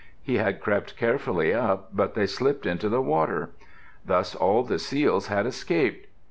He had crept carefully up, but they slipped into the water. Thus all the seals had escaped.